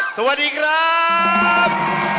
สวัสดีครับ